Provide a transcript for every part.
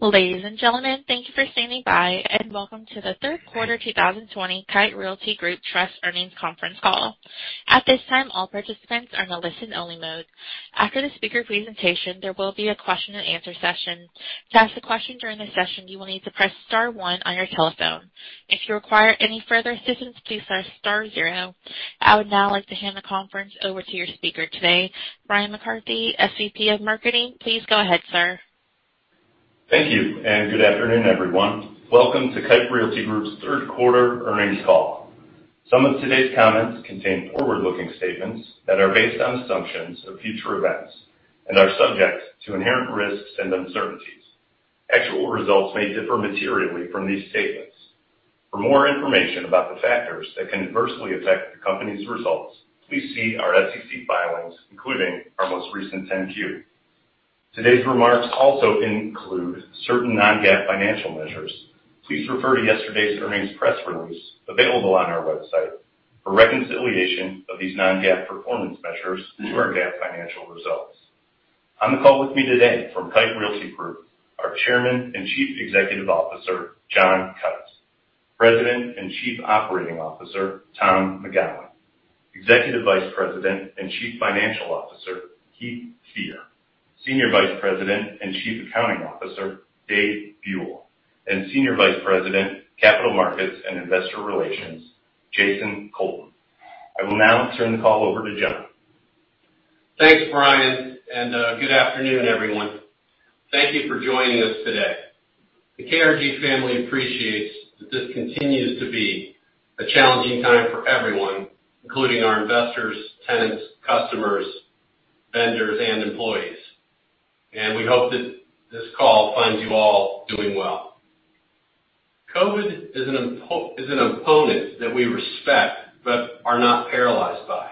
Ladies and gentlemen, thank you for standing by. Welcome to the third quarter 2020 Kite Realty Group Trust Earnings Conference Call. At this time, all participants are in a listen only mode. After the speaker presentation, there will be a question and answer session. To ask a question during the session, you will need to press star one on your telephone. If you require any further assistance, please press star zero. I would now like to hand the conference over to your speaker today, Bryan McCarthy, SVP of Marketing. Please go ahead, sir. Thank you, and good afternoon, everyone. Welcome to Kite Realty Group's third quarter earnings call. Some of today's comments contain forward-looking statements that are based on assumptions of future events and are subject to inherent risks and uncertainties. Actual results may differ materially from these statements. For more information about the factors that can adversely affect the company's results, please see our SEC filings, including our most recent 10-Q. Today's remarks also include certain non-GAAP financial measures. Please refer to yesterday's earnings press release available on our website for reconciliation of these non-GAAP performance measures to our GAAP financial results. On the call with me today from Kite Realty Group, our Chairman and Chief Executive Officer, John Kite, President and Chief Operating Officer, Tom McGowan, Executive Vice President and Chief Financial Officer, Heath Fear, Senior Vice President and Chief Accounting Officer, Dave Buell, and Senior Vice President, Capital Markets and Investor Relations, Jason Colton. I will now turn the call over to John. Thanks, Bryan, and good afternoon, everyone. Thank you for joining us today. The KRG family appreciates that this continues to be a challenging time for everyone, including our investors, tenants, customers, vendors, and employees. We hope that this call finds you all doing well. COVID is an opponent that we respect but are not paralyzed by.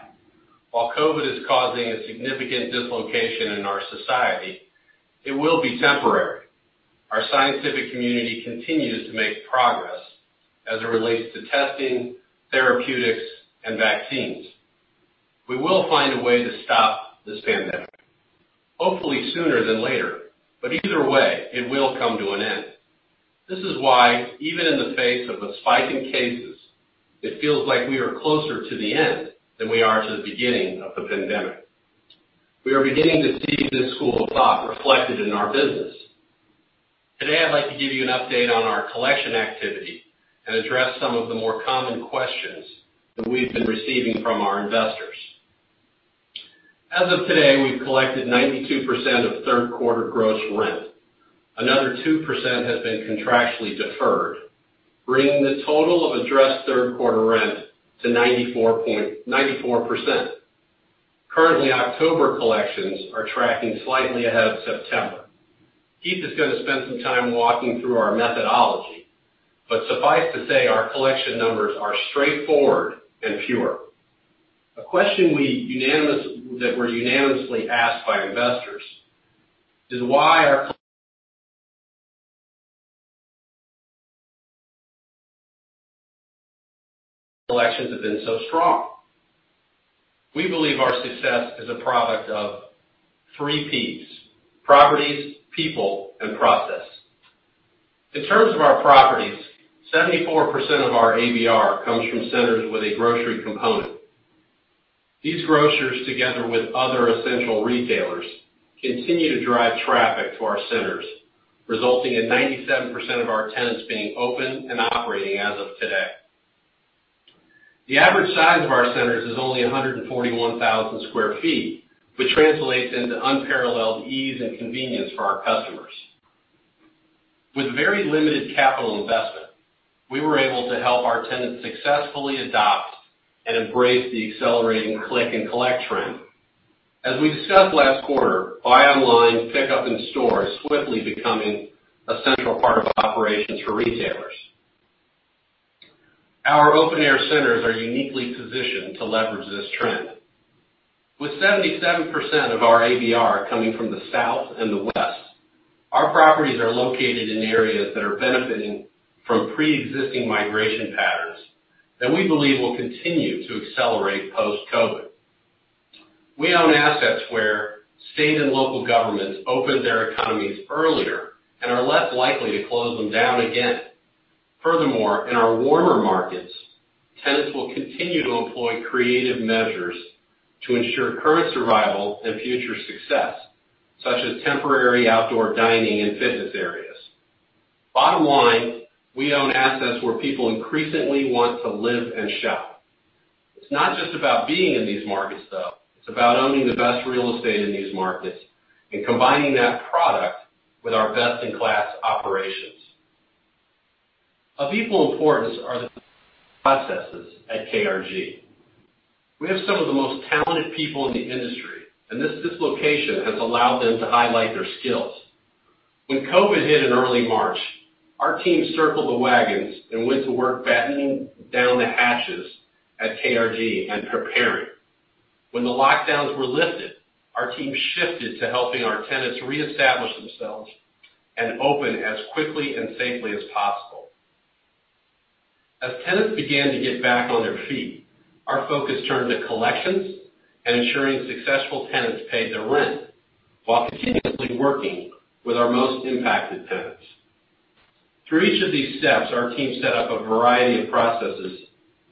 While COVID is causing a significant dislocation in our society, it will be temporary. Our scientific community continues to make progress as it relates to testing, therapeutics, and vaccines. We will find a way to stop this pandemic, hopefully sooner than later, but either way, it will come to an end. This is why even in the face of the spike in cases, it feels like we are closer to the end than we are to the beginning of the pandemic. We are beginning to see this school of thought reflected in our business. Today, I'd like to give you an update on our collection activity and address some of the more common questions that we've been receiving from our investors. As of today, we've collected 92% of third quarter gross rent. Another 2% has been contractually deferred, bringing the total of addressed third quarter rent to 94%. Currently, October collections are tracking slightly ahead of September. Heath is going to spend some time walking through our methodology. Suffice to say, our collection numbers are straightforward and pure. A question that we're unanimously asked by investors is why our collections have been so strong. We believe our success is a product of three Ps: properties, people, and process. In terms of our properties, 74% of our ABR comes from centers with a grocery component. These grocers, together with other essential retailers, continue to drive traffic to our centers, resulting in 97% of our tenants being open and operating as of today. The average size of our centers is only 141,000 sq ft, which translates into unparalleled ease and convenience for our customers. With very limited capital investment, we were able to help our tenants successfully adopt and embrace the accelerating click and collect trend. As we discussed last quarter, buy online, pick up in-store is swiftly becoming a central part of operations for retailers. Our open air centers are uniquely positioned to leverage this trend. With 77% of our ABR coming from the South and the West, our properties are located in areas that are benefiting from preexisting migration patterns that we believe will continue to accelerate post-COVID. We own assets where state and local governments opened their economies earlier and are less likely to close them down again. Furthermore, in our warmer markets, tenants will continue to employ creative measures to ensure current survival and future success, such as temporary outdoor dining and fitness areas. Bottom line, we own assets where people increasingly want to live and shop. It's not just about being in these markets, though. It's about owning the best real estate in these markets and combining that product with our best-in-class operations. Of equal importance are the processes at KRG. We have some of the most talented people in the industry, and this dislocation has allowed them to highlight their skills. When COVID hit in early March, our team circled the wagons and went to work battening down the hatches at KRG and preparing. When the lockdowns were lifted, our team shifted to helping our tenants reestablish themselves and open as quickly and safely as possible. As tenants began to get back on their feet, our focus turned to collections and ensuring successful tenants paid their rent while continuously working with our most impacted tenants. Through each of these steps, our team set up a variety of processes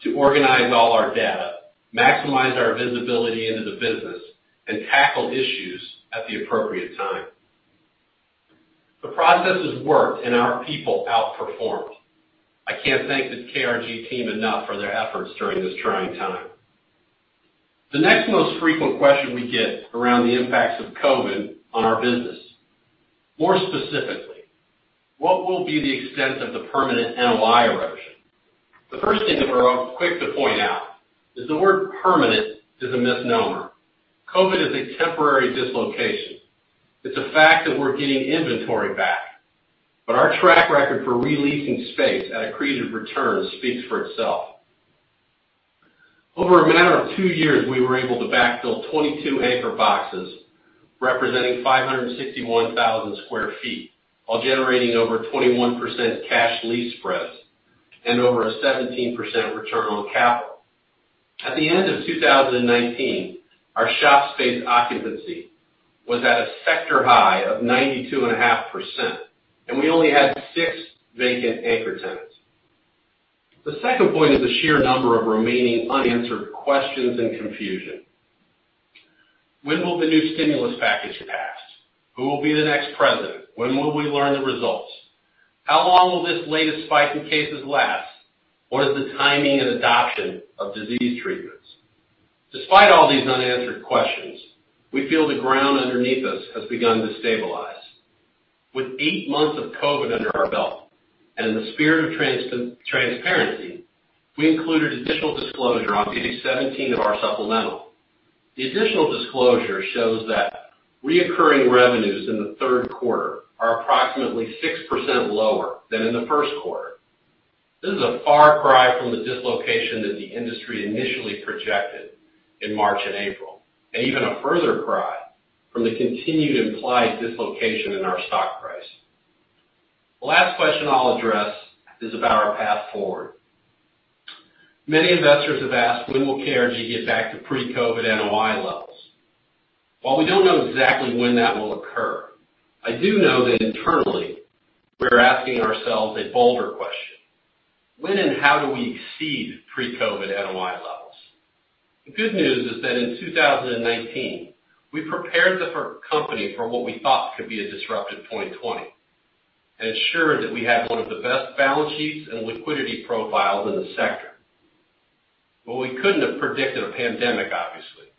to organize all our data, maximize our visibility into the business, and tackle issues at the appropriate time. The processes worked and our people outperformed. I can't thank this KRG team enough for their efforts during this trying time. The next most frequent question we get around the impacts of COVID on our business. More specifically, what will be the extent of the permanent NOI erosion? The first thing that we're quick to point out is the word permanent is a misnomer. COVID is a temporary dislocation. It's a fact that we're getting inventory back, but our track record for re-leasing space at accretive returns speaks for itself. Over a matter of two years, we were able to backfill 22 anchor boxes representing 561,000 sq ft, while generating over 21% cash lease spreads and over a 17% return on capital. At the end of 2019, our shop space occupancy was at a sector high of 92.5%, and we only had six vacant anchor tenants. The second point is the sheer number of remaining unanswered questions and confusion. When will the new stimulus package pass? Who will be the next President? When will we learn the results? How long will this latest spike in cases last? What is the timing and adoption of disease treatments? Despite all these unanswered questions, we feel the ground underneath us has begun to stabilize. With eight months of COVID under our belt and in the spirit of transparency, we included additional disclosure on page 17 of our supplemental. The additional disclosure shows that recurring revenues in the third quarter are approximately 6% lower than in the first quarter. This is a far cry from the dislocation that the industry initially projected in March and April, and even a further cry from the continued implied dislocation in our stock price. The last question I'll address is about our path forward. Many investors have asked, when will KRG get back to pre-COVID NOI levels? While we don't know exactly when that will occur, I do know that internally, we're asking ourselves a bolder question: when and how do we exceed pre-COVID NOI levels? The good news is that in 2019, we prepared the company for what we thought could be a disruptive 2020, and ensured that we had one of the best balance sheets and liquidity profiles in the sector. We couldn't have predicted a pandemic, obviously.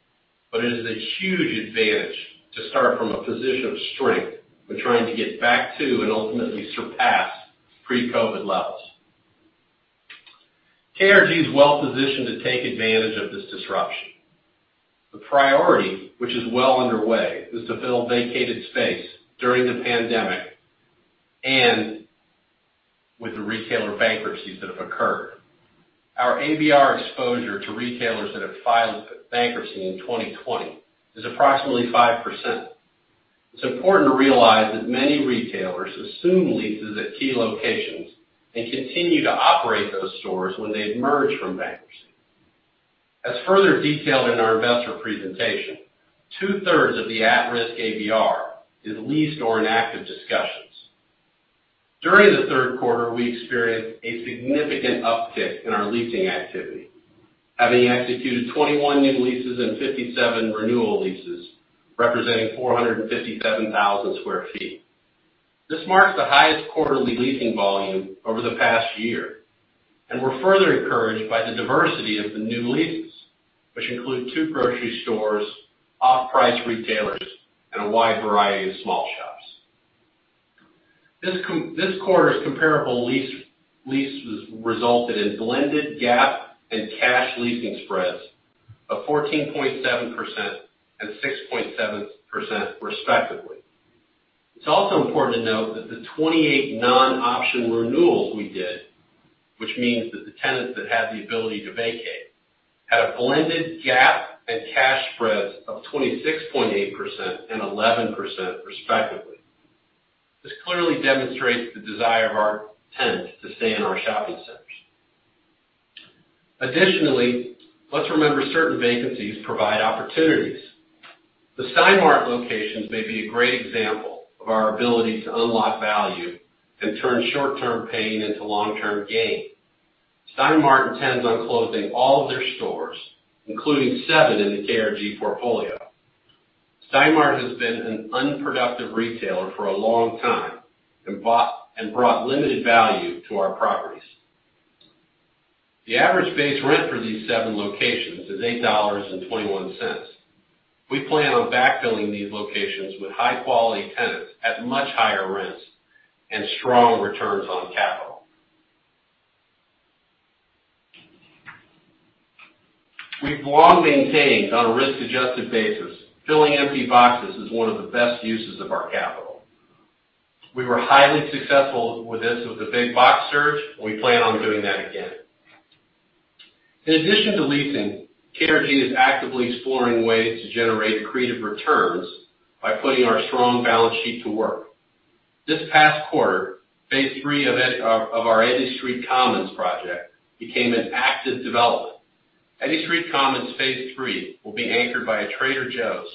It is a huge advantage to start from a position of strength when trying to get back to, and ultimately surpass pre-COVID levels. KRG is well-positioned to take advantage of this disruption. The priority, which is well underway, is to fill vacated space during the pandemic and with the retailer bankruptcies that have occurred. Our ABR exposure to retailers that have filed for bankruptcy in 2020 is approximately 5%. It's important to realize that many retailers assume leases at key locations and continue to operate those stores when they emerge from bankruptcy. As further detailed in our investor presentation, 2/3 of the at-risk ABR is leased or in active discussions. During the third quarter, we experienced a significant uptick in our leasing activity, having executed 21 new leases and 57 renewal leases, representing 457,000 sq ft. This marks the highest quarterly leasing volume over the past year. We're further encouraged by the diversity of the new leases, which include two grocery stores, off-price retailers, and a wide variety of small shops. This quarter's comparable leases resulted in blended GAAP and cash leasing spreads of 14.7% and 6.7% respectively. It's also important to note that the 28 non-option renewals we did, which means that the tenants that had the ability to vacate, had a blended GAAP and cash spreads of 26.8% and 11% respectively. This clearly demonstrates the desire of our tenants to stay in our shopping centers. Additionally, let's remember certain vacancies provide opportunities. The Stein Mart locations may be a great example of our ability to unlock value and turn short-term pain into long-term gain. Stein Mart intends on closing all of their stores, including seven in the KRG portfolio. Stein Mart has been an unproductive retailer for a long time and brought limited value to our properties. The average base rent for these seven locations is $8.21. We plan on backfilling these locations with high-quality tenants at much higher rents and strong returns on capital. We've long maintained, on a risk-adjusted basis, filling empty boxes is one of the best uses of our capital. We were highly successful with this with the big box surge. We plan on doing that again. In addition to leasing, KRG is actively exploring ways to generate creative returns by putting our strong balance sheet to work. This past quarter, phase III of our Eddy Street Commons Project became an active development. Eddy Street Commons phase III will be anchored by a Trader Joe's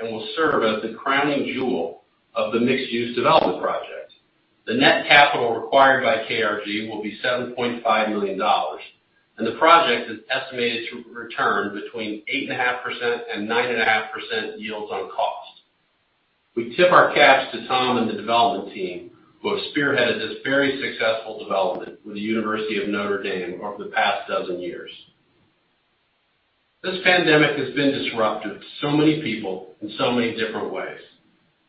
and will serve as the crowning jewel of the mixed-use development project. The net capital required by KRG will be $7.5 million, and the project is estimated to return between 8.5% and 9.5% yields on cost. We tip our caps to Tom and the development team, who have spearheaded this very successful development with the University of Notre Dame over the past dozen years. This pandemic has been disruptive to so many people in so many different ways.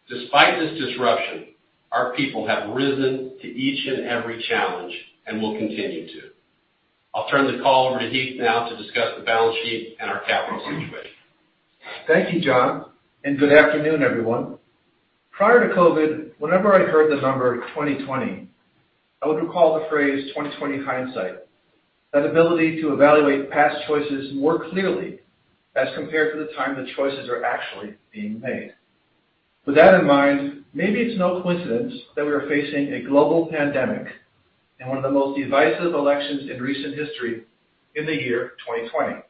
Despite this disruption, our people have risen to each and every challenge and will continue to. I'll turn the call over to Heath now to discuss the balance sheet and our capital situation. Thank you, John, and good afternoon, everyone. Prior to COVID, whenever I heard the number 2020, I would recall the phrase 20/20 hindsight, that ability to evaluate past choices more clearly as compared to the time the choices are actually being made. With that in mind, maybe it's no coincidence that we are facing a global pandemic and one of the most divisive elections in recent history in the year 2020.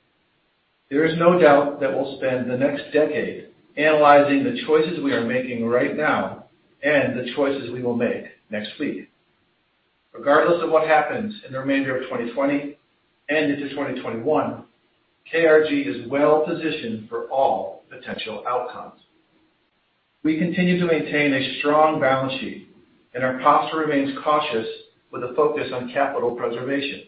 There is no doubt that we'll spend the next decade analyzing the choices we are making right now and the choices we will make next week. Regardless of what happens in the remainder of 2020 and into 2021, KRG is well-positioned for all potential outcomes. We continue to maintain a strong balance sheet, and our posture remains cautious with a focus on capital preservation.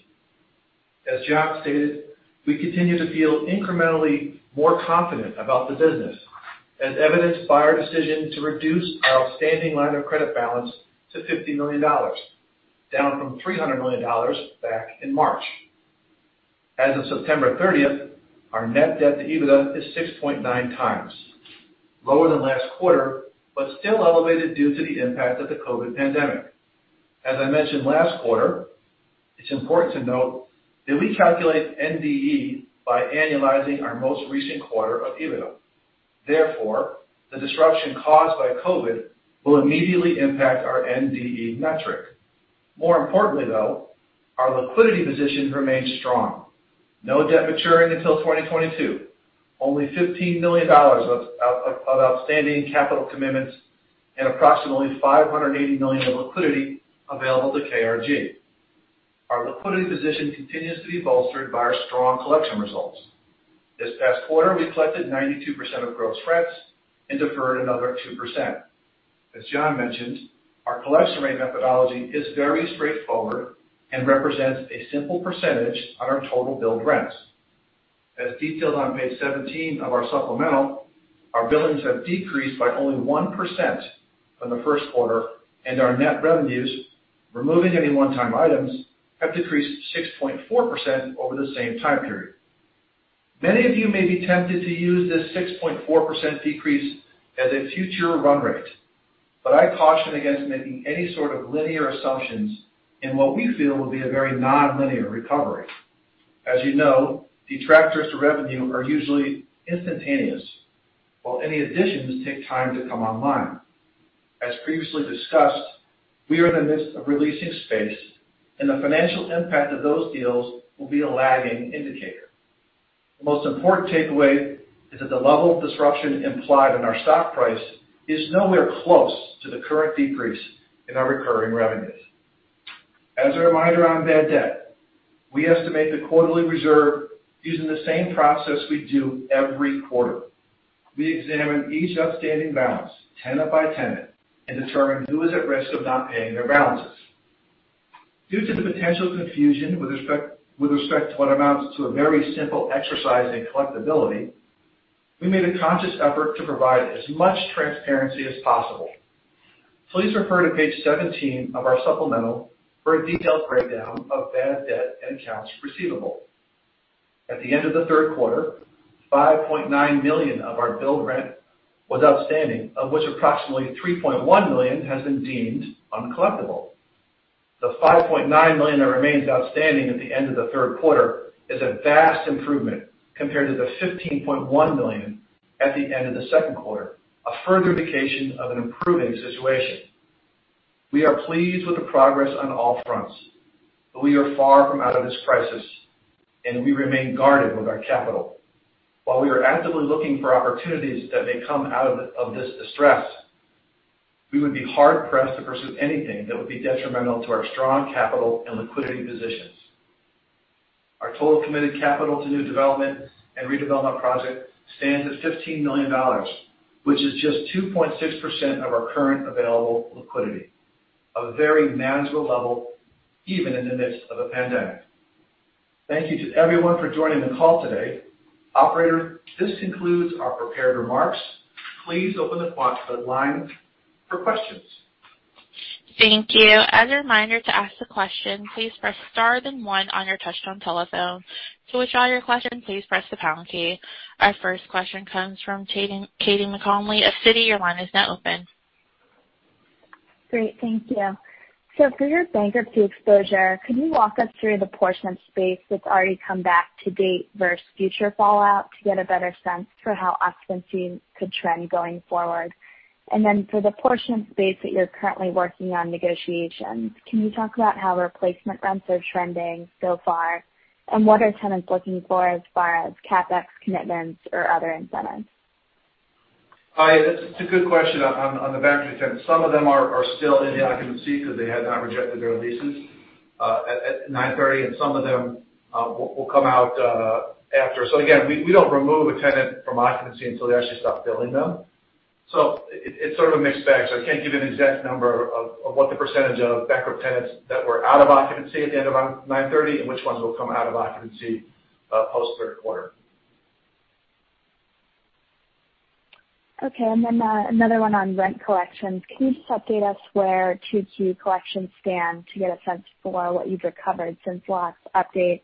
As John stated, we continue to feel incrementally more confident about the business, as evidenced by our decision to reduce our outstanding line of credit balance to $50 million, down from $300 million back in March. As of September 30th, our net debt-to-EBITDA is 6.9x, lower than last quarter, but still elevated due to the impact of the COVID pandemic. As I mentioned last quarter, it's important to note that we calculate NDE by annualizing our most recent quarter of EBITDA. Therefore, the disruption caused by COVID will immediately impact our NDE metric. More importantly, though, our liquidity position remains strong. No debt maturing until 2022. Only $15 million of outstanding capital commitments and approximately $580 million of liquidity available to KRG. Our liquidity position continues to be bolstered by our strong collection results. This past quarter, we collected 92% of gross rents and deferred another 2%. As John mentioned, our collection rate methodology is very straightforward and represents a simple percentage on our total billed rents. As detailed on page 17 of our supplemental, our billings have decreased by only 1% from the first quarter, and our net revenues, removing any one-time items, have decreased 6.4% over the same time period. Many of you may be tempted to use this 6.4% decrease as a future run rate, but I caution against making any sort of linear assumptions in what we feel will be a very non-linear recovery. As you know, detractors to revenue are usually instantaneous, while any additions take time to come online. As previously discussed, we are in the midst of re-leasing space and the financial impact of those deals will be a lagging indicator. The most important takeaway is that the level of disruption implied in our stock price is nowhere close to the current decrease in our recurring revenues. As a reminder on bad debt, we estimate the quarterly reserve using the same process we do every quarter. We examine each outstanding balance, tenant by tenant, and determine who is at risk of not paying their balances. Due to the potential confusion with respect to what amounts to a very simple exercise in collectability, we made a conscious effort to provide as much transparency as possible. Please refer to page 17 of our supplemental for a detailed breakdown of bad debt and accounts receivable. At the end of the third quarter, $5.9 million of our billed rent was outstanding, of which approximately $3.1 million has been deemed uncollectible. The $5.9 million that remains outstanding at the end of the third quarter is a vast improvement compared to the $15.1 million at the end of the second quarter, a further indication of an improving situation. We are pleased with the progress on all fronts, but we are far from out of this crisis, and we remain guarded with our capital. While we are actively looking for opportunities that may come out of this distress, we would be hard-pressed to pursue anything that would be detrimental to our strong capital and liquidity positions. Our total committed capital to new development and redevelopment project stands at $15 million, which is just 2.6% of our current available liquidity, a very manageable level even in the midst of a pandemic. Thank you to everyone for joining the call today. Operator, this concludes our prepared remarks. Please open the conference line for questions. Thank you. As a reminder to ask the question, please press star then one on your touchtone telephone. To withdraw your question, please press the pound key. Our first question comes from Katy McConnell at Citi. Your line is now open. Great. Thank you. For your bankruptcy exposure, could you walk us through the portion of space that's already come back to date versus future fallout to get a better sense for how occupancy could trend going forward? For the portion of space that you're currently working on negotiations, can you talk about how replacement rents are trending so far? What are tenants looking for as far as CapEx commitments or other incentives? Hi, that's a good question on the bankruptcy tenants. Some of them are still in the occupancy because they have not rejected their leases at 9/30, and some of them will come out after. Again, we don't remove a tenant from occupancy until they actually stop billing them. It's sort of a mixed bag, so I can't give you an exact number of what the percentage of bankrupt tenants that were out of occupancy at the end of 9/30 and which ones will come out of occupancy post-third quarter. Okay, another one on rent collections. Can you just update us where Q2 collections stand to get a sense for what you've recovered since the last update?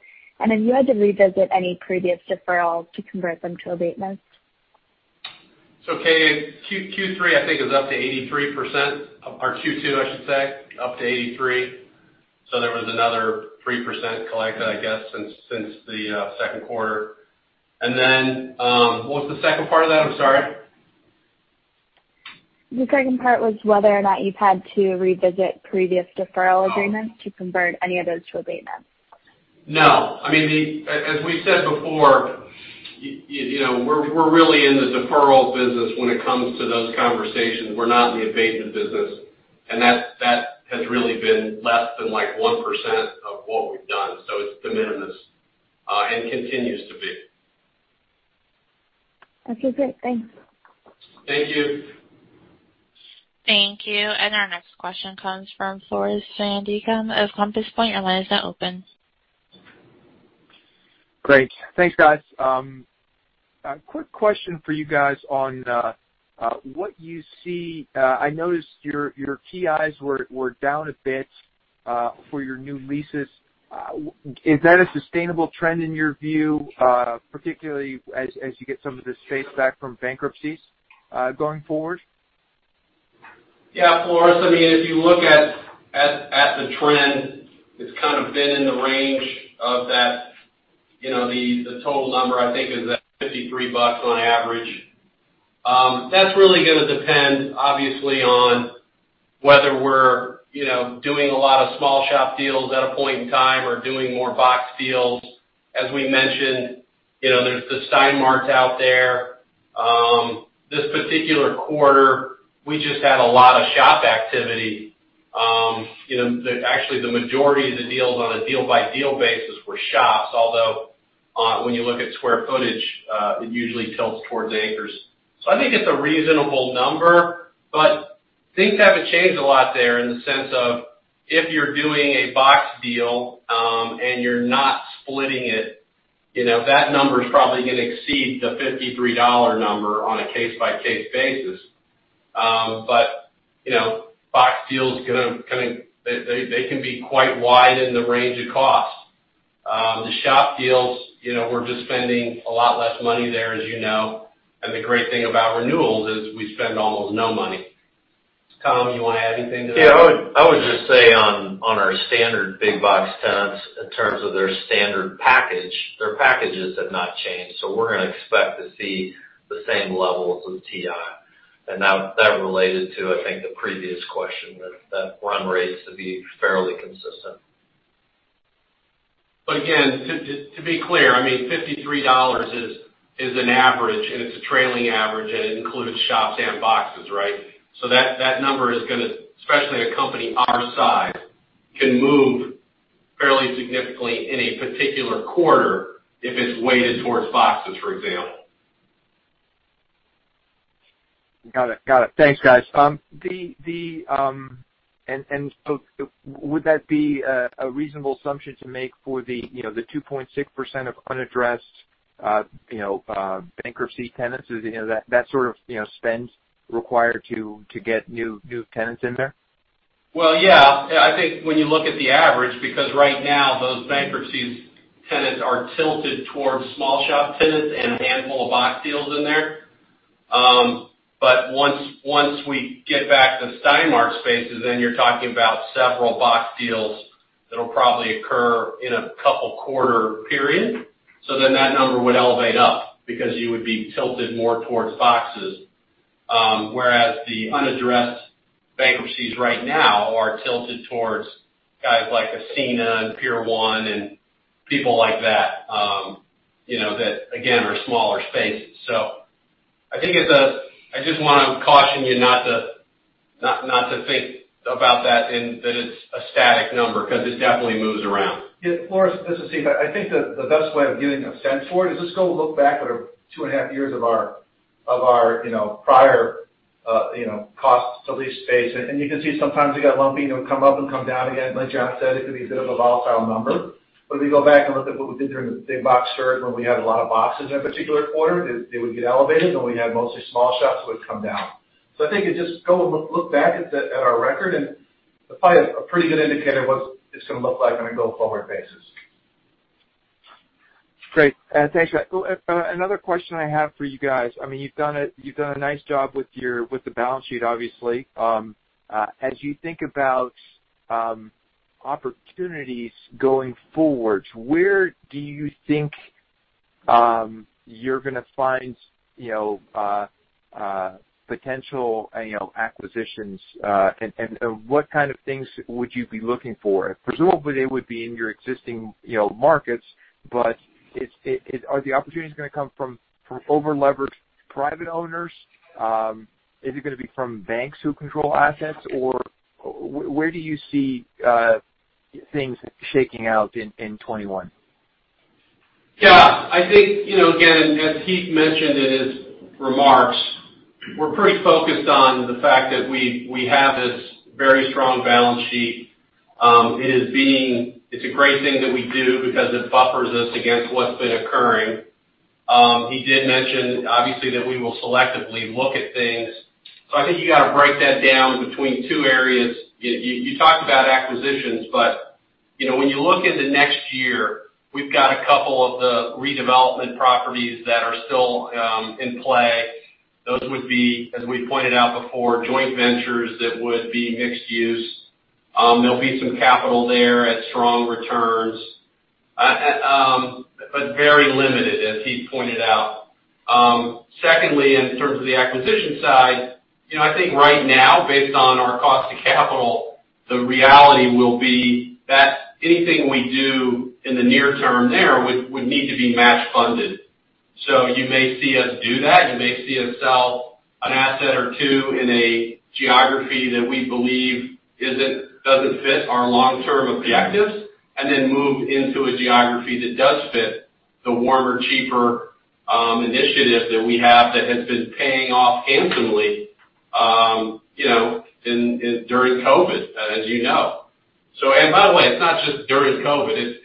You had to revisit any previous deferrals to convert them to abatements? Katy, Q3 I think is up to 83%, or Q2 I should say, up to 83%. There was another 3% collected, I guess, since the second quarter. What was the second part of that? I'm sorry. The second part was whether or not you've had to revisit previous deferral agreements to convert any of those to abatements. No. As we said before, we're really in the deferral business when it comes to those conversations. We're not in the abatement business. That has really been less than 1% of what we've done, so it's de minimis, and continues to be. Okay, great. Thanks. Thank you. Thank you. Our next question comes from Floris van Dijkum of Compass Point. Your line is now open. Great. Thanks, guys. A quick question for you guys on what you see. I noticed your TIs were down a bit for your new leases. Is that a sustainable trend in your view, particularly as you get some of this space back from bankruptcies, going forward? Yeah, Floris, if you look at the trend, it's kind of been in the range of that. The total number, I think, is that $53 on average. That's really gonna depend, obviously, on whether we're doing a lot of small shop deals at a point in time or doing more box deals. As we mentioned, there's the Stein Mart out there. This particular quarter, we just had a lot of shop activity. Actually, the majority of the deals on a deal-by-deal basis were shops, although when you look at square footage, it usually tilts towards anchors. I think it's a reasonable number, but things haven't changed a lot there in the sense of if you're doing a box deal, and you're not splitting it, that number's probably gonna exceed the $53 number on a case-by-case basis. Box deals, they can be quite wide in the range of costs. The shop deals, we're just spending a lot less money there, as you know, and the great thing about renewals is we spend almost no money. Tom, you want to add anything to that? Yeah, I would just say on our standard big box tenants, in terms of their standard package, their packages have not changed, so we're gonna expect to see the same levels of TI. That related to, I think, the previous question, that run rates to be fairly consistent. Again, to be clear, $53 is an average, and it's a trailing average, and it includes shops and boxes, right? That number is gonna, especially a company our size, can move fairly significantly in a particular quarter if it's weighted towards boxes, for example. Got it. Thanks, guys. Would that be a reasonable assumption to make for the 2.6% of unaddressed bankruptcy tenants, that sort of spend required to get new tenants in there? Yeah. I think when you look at the average, right now those bankruptcy tenants are tilted towards small shop tenants and a handful of box deals in there. Once we get back the Stein Mart spaces, then you're talking about several box deals that'll probably occur in a couple-quarter period. That number would elevate up because you would be tilted more towards boxes, whereas the unaddressed bankruptcies right now are tilted towards guys like Ascena and Pier 1 and people like that again, are smaller spaces. I just want to caution you not to think about that in that it's a static number because it definitely moves around. Yeah, Floris, this is Heath. I think the best way of getting a sense for it is just go look back at our 2.5 Years of our prior costs to lease space. You can see sometimes it got lumpy, and it would come up and come down again. Like John said, it could be a bit of a volatile number. If you go back and look at what we did during the big box surge when we had a lot of boxes in a particular quarter, it would get elevated. When we had mostly small shops, it would come down. I think you just go look back at our record and find a pretty good indicator of what it's going to look like on a go-forward basis. Great. Thanks, guys. Another question I have for you guys. You've done a nice job with the balance sheet, obviously. As you think about opportunities going forwards, where do you think you're going to find potential acquisitions, and what kind of things would you be looking for? Presumably, it would be in your existing markets, but are the opportunities going to come from over-leveraged private owners? Is it going to be from banks who control assets? Where do you see things shaking out in 2021? Yeah. I think, again, as Heath mentioned in his remarks, we're pretty focused on the fact that we have this very strong balance sheet. It's a great thing that we do because it buffers us against what's been occurring. He did mention, obviously, that we will selectively look at things. I think you got to break that down between two areas. You talked about acquisitions, but when you look at the next year, we've got a couple of the redevelopment properties that are still in play. Those would be, as we pointed out before, joint ventures that would be mixed use. There'll be some capital there at strong returns. Very limited, as Heath pointed out. Secondly, in terms of the acquisition side, I think right now, based on our cost to capital, the reality will be that anything we do in the near term there would need to be match funded. You may see us do that. You may see us sell an asset or two in a geography that we believe doesn't fit our long-term objectives, and then move into a geography that does fit the warmer, cheaper initiative that we have that has been paying off handsomely during COVID, as you know. By the way, it's not just during COVID,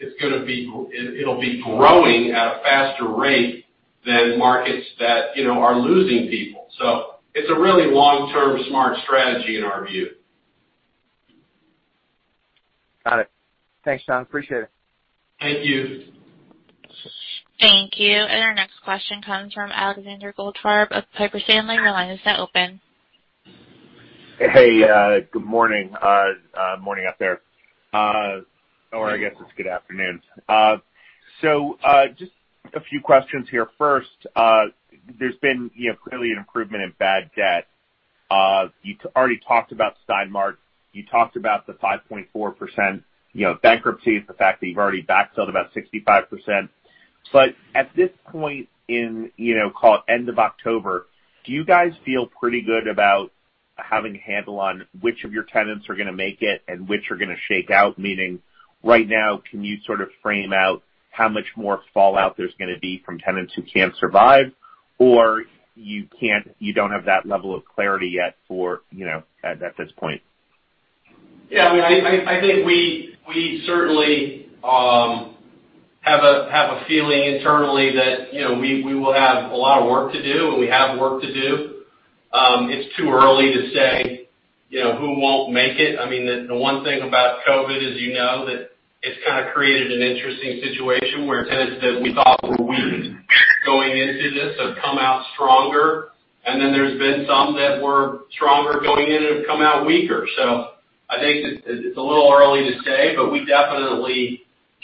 it'll be growing at a faster rate than markets that are losing people. It's a really long-term, smart strategy in our view. Got it. Thanks, John. Appreciate it. Thank you. Thank you. Our next question comes from Alexander Goldfarb of Piper Sandler. Your line is now open. Hey, good morning. Morning out there, or I guess it's good afternoon. Just a few questions here. First, there's been clearly an improvement in bad debt. You already talked about Stein Mart. You talked about the 5.4% bankruptcies, the fact that you've already back sold about 65%. At this point in, call it end of October, do you guys feel pretty good about having a handle on which of your tenants are going to make it and which are going to shake out? Meaning right now, can you sort of frame out how much more fallout there's going to be from tenants who can't survive, or you don't have that level of clarity yet at this point? Yeah, I think we certainly have a feeling internally that we will have a lot of work to do, and we have work to do. It's too early to say who won't make it. The one thing about COVID, as you know, that it's kind of created an interesting situation where tenants that we thought were weak going into this have come out stronger, and then there's been some that were stronger going in have come out weaker. I think it's a little early to say, but we definitely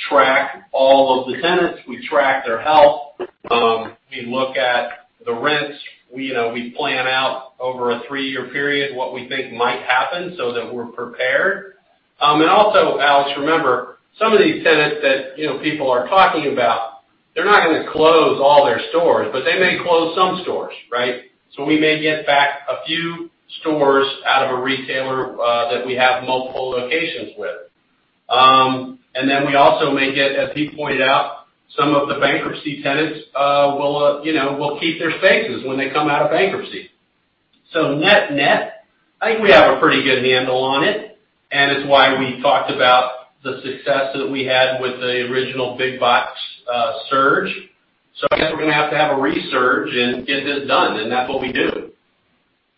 track all of the tenants. We track their health. We look at the rents. We plan out over a three-year period what we think might happen so that we're prepared. Also, Alex, remember, some of these tenants that people are talking about, they're not going to close all their stores, but they may close some stores. Right? We may get back a few stores out of a retailer that we have multiple locations with. We also may get, as Heath pointed out, some of the bankruptcy tenants will keep their spaces when they come out of bankruptcy. Net-net, I think we have a pretty good handle on it, and it's why we talked about the success that we had with the original big box surge. I guess we're going to have to have a resurge and get this done, and that's what we do.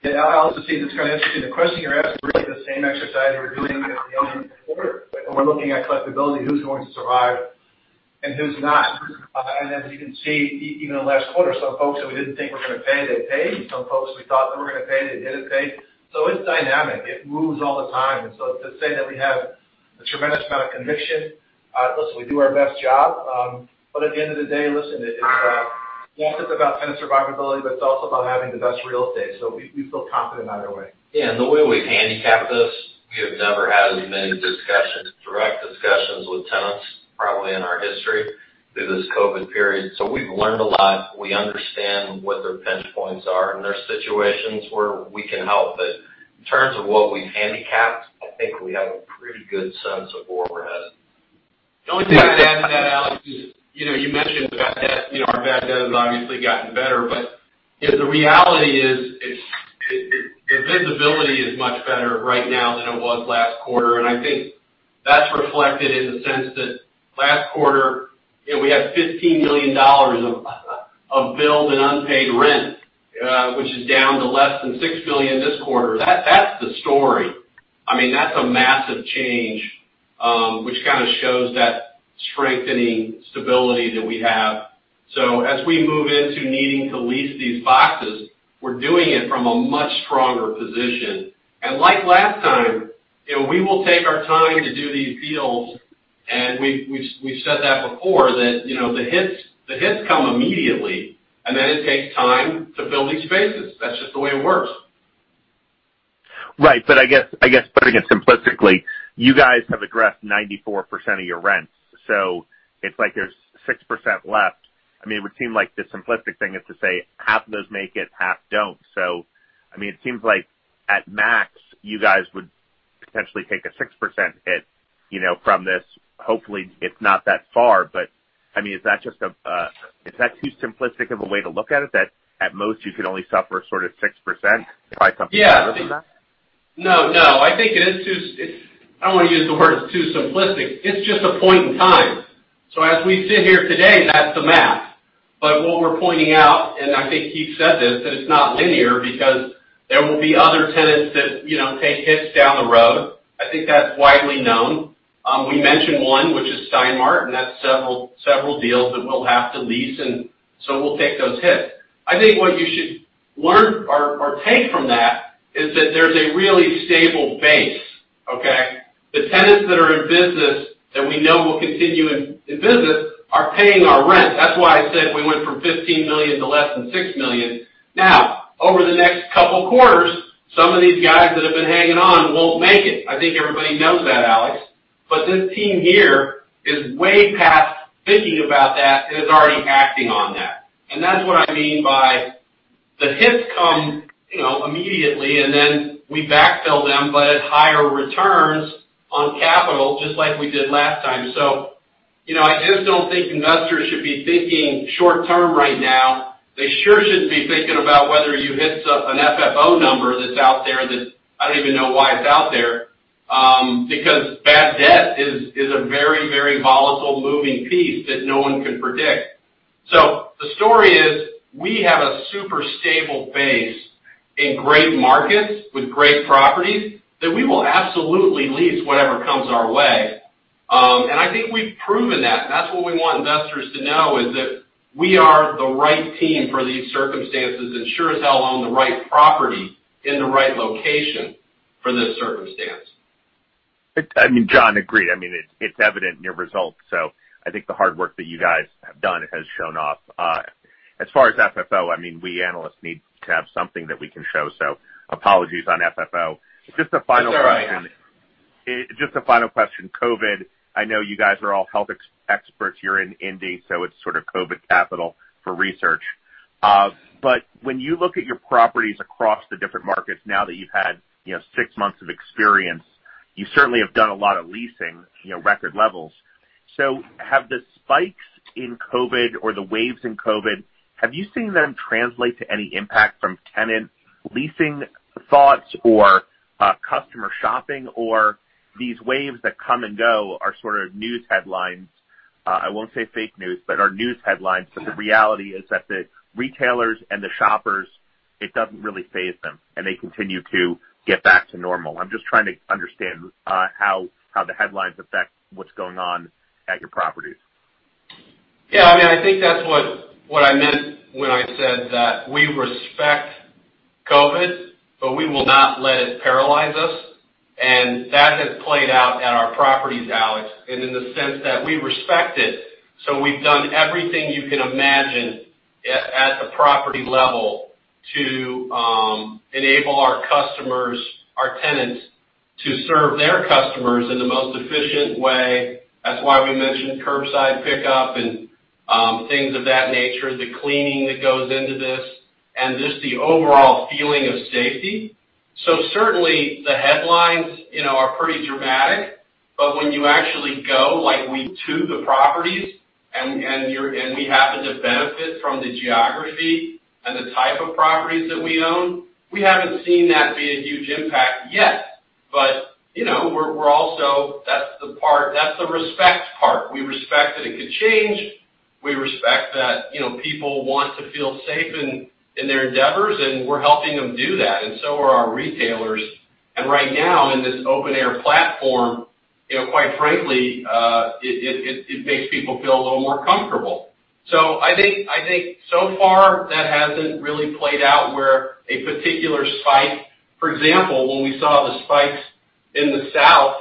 Yeah. Alex, it's Heath, it's kind of interesting. The question you're asking, we're doing the same exercise we're doing every quarter when we're looking at collectibility, who's going to survive and who's not. As you can see, even last quarter, some folks that we didn't think were going to pay, they paid. Some folks we thought that were going to pay, they didn't pay. It's dynamic. It moves all the time. To say that we have a tremendous amount of conviction, listen, we do our best job. At the end of the day, listen, it's not about tenant survivability, but it's also about having the best real estate. We feel confident either way. Yeah. The way we handicap this, we have never had as many discussions, direct discussions with tenants, probably in our history through this COVID period. We've learned a lot. We understand what their pinch points are and there are situations where we can help. In terms of what we've handicapped, I think we have a pretty good sense of where we're headed. The only thing I'd add to that, Alex, is you mentioned the bad debt. Our bad debt has obviously gotten better. The reality is the visibility is much better right now than it was last quarter. I think that's reflected in the sense that last quarter, we had $15 million of bills and unpaid rent. Which is down to less than $6 million this quarter. That's the story. That's a massive change, which kind of shows that strengthening stability that we have. As we move into needing to lease these boxes, we're doing it from a much stronger position. Like last time, we will take our time to do these deals, and we've said that before, that the hits come immediately, and then it takes time to fill these spaces. That's just the way it works. Right. I guess putting it simplistically, you guys have addressed 94% of your rents. It's like there's 6% left. It would seem like the simplistic thing is to say, half of those make it, half don't. It seems like at max, you guys would potentially take a 6% hit from this. Hopefully, it's not that far, but is that too simplistic of a way to look at it? That at most you can only suffer sort of 6%? Probably something better than that? No. I don't want to use the words too simplistic. It's just a point in time. As we sit here today, that's the math. What we're pointing out, and I think Heath said this, that it's not linear because there will be other tenants that take hits down the road. I think that's widely known. We mentioned one, which is Stein Mart, and that's several deals that we'll have to lease, we'll take those hits. I think what you should learn or take from that is that there's a really stable base. Okay? The tenants that are in business that we know will continue in business are paying our rent. That's why I said we went from $15 million to less than $6 million. Now, over the next couple of quarters, some of these guys that have been hanging on won't make it. I think everybody knows that, Alex. This team here is way past thinking about that and is already acting on that. That's what I mean by the hits come immediately, and then we backfill them, but at higher returns on capital, just like we did last time. I just don't think investors should be thinking short-term right now. They sure shouldn't be thinking about whether you hit an FFO number that's out there that I don't even know why it's out there. Bad debt is a very, very volatile moving piece that no one can predict. The story is, we have a super stable base in great markets with great properties that we will absolutely lease whatever comes our way. I think we've proven that, and that's what we want investors to know, is that we are the right team for these circumstances and sure as hell own the right property in the right location for this circumstance. John, agreed. It's evident in your results. I think the hard work that you guys have done has shown off. As far as FFO, we analysts need to have something that we can show. Apologies on FFO. That's all right. Just a final question. COVID, I know you guys are all health experts. You're in Indy, it's sort of COVID capital for research. When you look at your properties across the different markets now that you've had six months of experience, you certainly have done a lot of leasing, record levels. Have the spikes in COVID or the waves in COVID, have you seen them translate to any impact from tenant leasing thoughts or customer shopping, or these waves that come and go are sort of news headlines. I won't say fake news, but are news headlines? The reality is that the retailers and the shoppers, it doesn't really faze them, and they continue to get back to normal. I'm just trying to understand how the headlines affect what's going on at your properties. Yeah, I mean. I think that's what I meant when I said that we respect COVID, but we will not let it paralyze us, and that has played out at our properties, Alex. In the sense that we respect it, so we've done everything you can imagine at the property level to enable our customers, our tenants, to serve their customers in the most efficient way. That's why we mentioned curbside pickup and things of that nature, the cleaning that goes into this, and just the overall feeling of safety. Certainly, the headlines are pretty dramatic. When you actually go, like we, to the properties, and we happen to benefit from the geography and the type of properties that we own, we haven't seen that be a huge impact yet. That's the respect part. We respect that it could change, we respect that people want to feel safe in their endeavors, and we're helping them do that, and so are our retailers. Right now, in this open air platform, quite frankly, it makes people feel a little more comfortable. I think so far, that hasn't really played out where a particular spike For example, when we saw the spikes in the south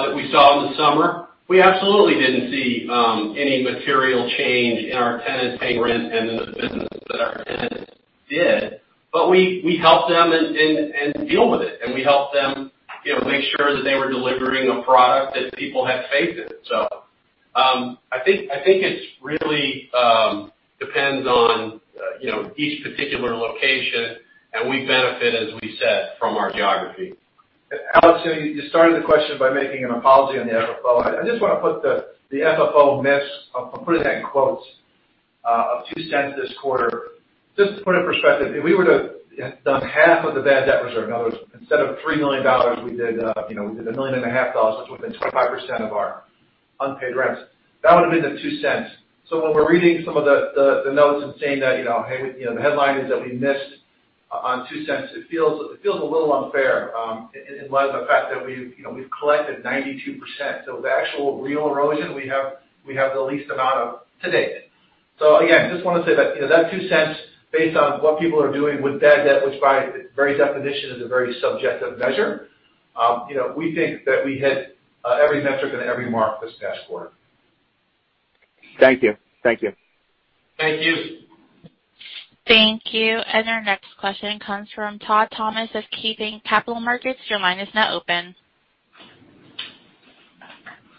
that we saw in the summer, we absolutely didn't see any material change in our tenants paying rent and the business that our tenants did. We helped them deal with it, and we helped them make sure that they were delivering a product that people had faith in. I think it really depends on each particular location, and we benefit, as we said, from our geography. Alex, you started the question by making an apology on the FFO. I just want to put the FFO miss, I'll put it in quotes, of $0.02 this quarter, just to put in perspective. If we would've done half of the bad debt reserve, in other words, instead of $3 million, we did $1.5 million dollars, which is within 25% of our unpaid rents. That would have been the $0.02. When we're reading some of the notes and saying that, hey, the headline is that we missed on $0.02, it feels a little unfair, in light of the fact that we've collected 92%. The actual real erosion we have the least amount of to date. Again, just want to say that $0.02, based on what people are doing with bad debt, which by its very definition is a very subjective measure. We think that we hit every metric and every mark this past quarter. Thank you. Thank you. Thank you. Our next question comes from Todd Thomas of KeyBanc Capital Markets. Your line is now open.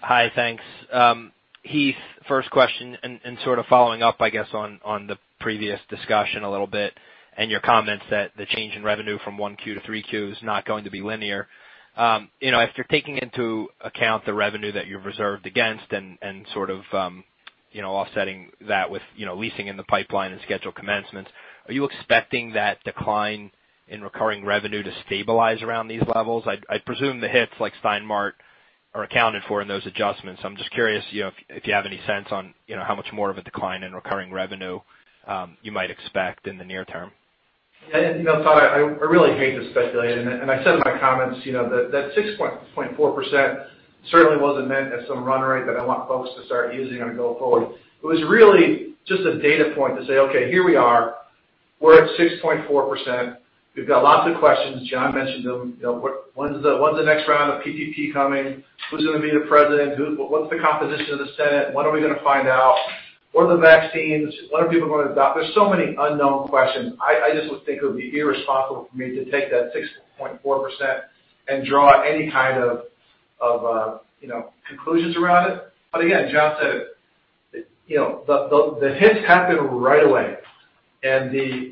Hi, thanks. Heath, first question, and sort of following up, I guess, on the previous discussion a little bit and your comments that the change in revenue from 1Q to 3Q is not going to be linear. After taking into account the revenue that you've reserved against and sort of offsetting that with leasing in the pipeline and schedule commencements, are you expecting that decline in recurring revenue to stabilize around these levels? I'd presume the hits like Stein Mart are accounted for in those adjustments. I'm just curious if you have any sense on how much more of a decline in recurring revenue you might expect in the near term. Yeah, Todd, I really hate to speculate, and I said in my comments, that 6.4% certainly wasn't meant as some run rate that I want folks to start using on go forward. It was really just a data point to say, okay, here we are. We're at 6.4%. We've got lots of questions. John mentioned them. When's the next round of PPP coming? Who's going to be the President? What's the composition of the Senate? When are we going to find out? What are the vaccines? When are people going to adopt? There's so many unknown questions. I just would think it would be irresponsible for me to take that 6.4% and draw any kind of conclusions around it. Again, John said it, the hits happen right away, and the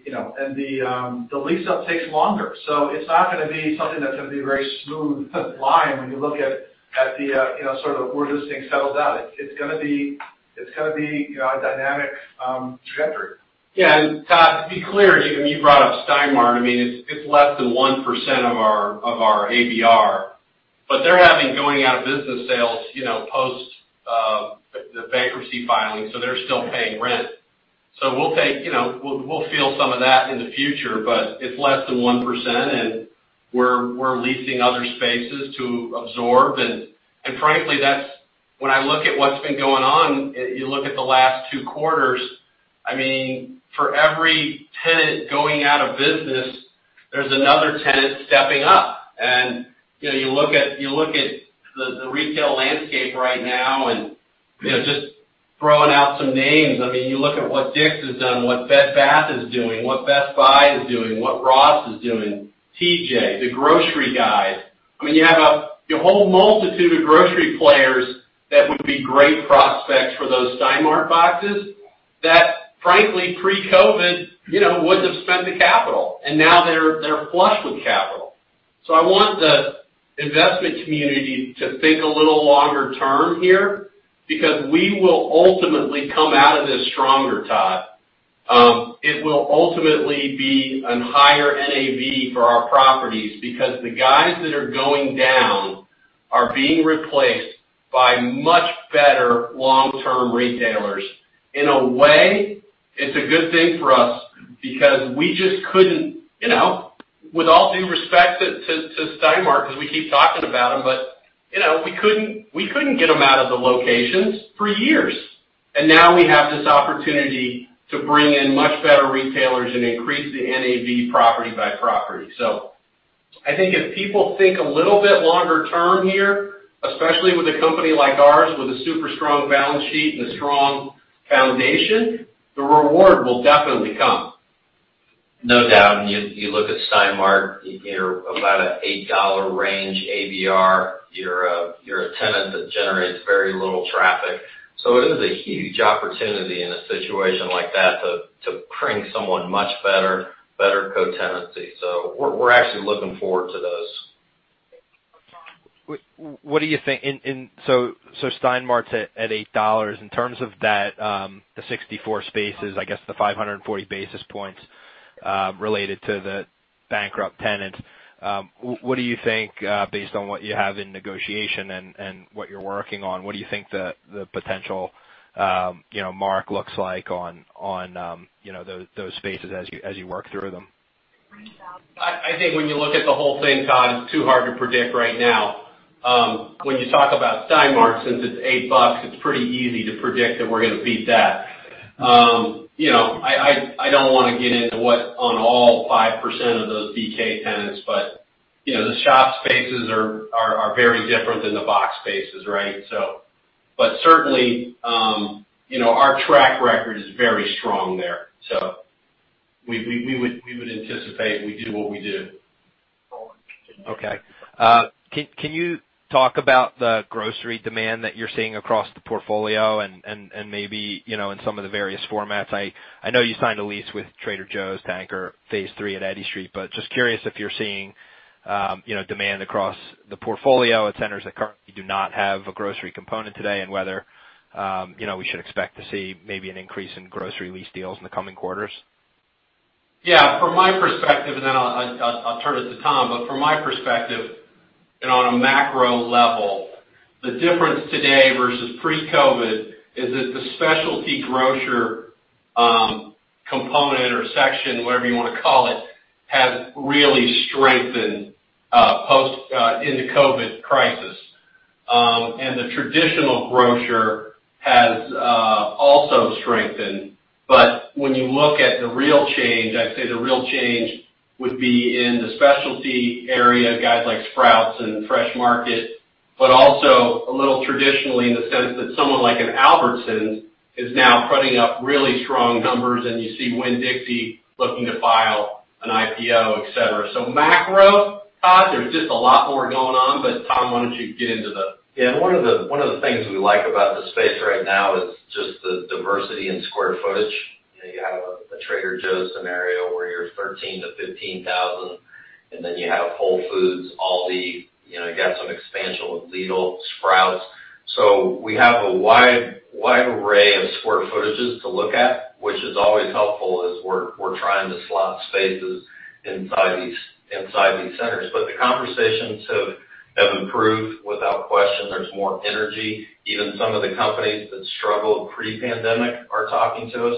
lease up takes longer. It's not going to be something that's going to be a very smooth line when you look at sort of where this thing settles out. It's going to be a dynamic trajectory. Todd, to be clear, you brought up Stein Mart. It's less than 1% of our ABR, but they're having going-out-of-business sales post the bankruptcy filing, so they're still paying rent. We'll feel some of that in the future, but it's less than 1%, and we're leasing other spaces to absorb, and frankly, when I look at what's been going on, you look at the last two quarters, for every tenant going out of business, there's another tenant stepping up. You look at the retail landscape right now, and just throwing out some names, you look at what DICK's has done, what Bed Bath is doing, what Best Buy is doing, what Ross is doing, TJ, the grocery guys. You have a whole multitude of grocery players that would be great prospects for those Stein Mart boxes that frankly, pre-COVID, wouldn't have spent the capital. Now they're flush with capital. I want the investment community to think a little longer term here, because we will ultimately come out of this stronger, Todd. It will ultimately be a higher NAV for our properties because the guys that are going down are being replaced by much better long-term retailers. In a way, it's a good thing for us because we just couldn't, with all due respect to Stein Mart, because we keep talking about them. We couldn't get them out of the locations for years. Now we have this opportunity to bring in much better retailers and increase the NAV property by property. I think if people think a little bit longer term here, especially with a company like ours, with a super strong balance sheet and a strong foundation, the reward will definitely come. No doubt. You look at Stein Mart, about an $8 range ABR. You're a tenant that generates very little traffic. It is a huge opportunity in a situation like that to bring someone much better co-tenancy. We're actually looking forward to those. Stein Mart's at $8. In terms of that, the 64 spaces, I guess the 540 basis points related to the bankrupt tenant. What do you think based on what you have in negotiation and what you're working on, what do you think the potential mark looks like on those spaces as you work through them? I think when you look at the whole thing, Todd, it's too hard to predict right now. When you talk about Stein Mart, since it's $8, it's pretty easy to predict that we're going to beat that. I don't want to get into what on all 5% of those BK tenants, but the shop spaces are very different than the box spaces, right? Certainly, our track record is very strong there. We would anticipate we do what we do. Okay. Can you talk about the grocery demand that you're seeing across the portfolio and maybe in some of the various formats? I know you signed a lease with Trader Joe's to anchor phase III at Eddy Street, but just curious if you're seeing demand across the portfolio at centers that currently do not have a grocery component today, and whether we should expect to see maybe an increase in grocery lease deals in the coming quarters? Yeah, from my perspective, and then I'll turn it to Tom, but from my perspective and on a macro level, the difference today versus pre-COVID is that the specialty grocer component or section, whatever you want to call it, has really strengthened in the COVID crisis. The traditional grocer has also strengthened. When you look at the real change, I'd say the real change would be in the specialty area, guys like Sprouts and Fresh Market, but also a little traditionally in the sense that someone like an Albertsons is now putting up really strong numbers, and you see Winn-Dixie looking to file an IPO, et cetera. Macro, Todd, there's just a lot more going on, but Tom, why don't you get into the. Yeah. One of the things we like about the space right now is just the diversity in square footage. You have a Trader Joe's scenario, where you're 13,000 sq ft-15,000 sq ft, and then you have Whole Foods, ALDI, you got some expansion with Lidl, Sprouts. We have a wide array of square footages to look at, which is always helpful as we're trying to slot spaces inside these centers. The conversations have improved, without question. There's more energy. Even some of the companies that struggled pre-pandemic are talking to us.